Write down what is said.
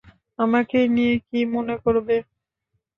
আমাকে নিয়ে কি মনে করবে?